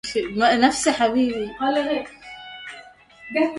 خطرات هي العلا وارتياح